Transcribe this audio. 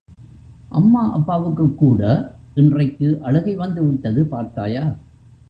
அம்மா அப்பாவுக்குக்கூட இன்றைக்கு அழுகை வந்துவிட்டது, பார்த்தாயா!